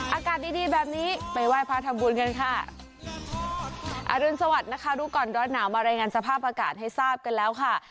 อากาศดีดีแบบนี้ไปไหว้พระทำบุญกันค่ะอรุณสวัสดิ์นะคะรู้ก่อนร้อนหนาวมารายงานสภาพอากาศให้ทราบกันแล้วค่ะ